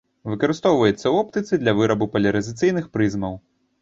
Выкарыстоўваецца ў оптыцы для вырабу палярызацыйных прызмаў.